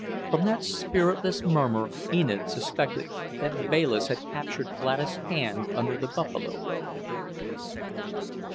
From that spiritless murmur Enid suspected that Bayliss had captured Gladys' hand under the buffalo robe.